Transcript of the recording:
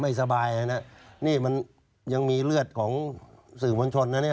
ไม่สบายนะนี่มันยังมีเลือดของสื่อมวลชนนะเนี่ย